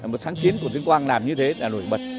một sáng kiến của tuyên quang làm như thế là nổi bật